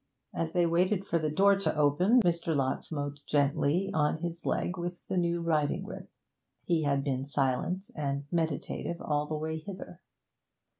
As they waited for the door to open, Mr. Lott smote gently on his leg with the new riding whip. He had been silent and meditative all the way hither.